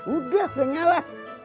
udah udah nyala